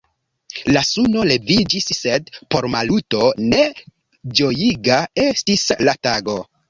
La suno leviĝis, sed por Maluto ne ĝojiga estis la tago.